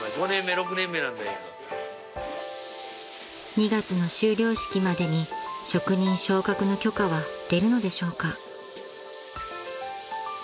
［２月の修了式までに職人昇格の許可は出るのでしょうか］